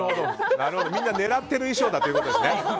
みんな狙ってる衣装ってことですね。